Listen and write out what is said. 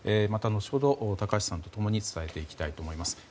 また後ほど、高橋さんと共に伝えていきたいと思います。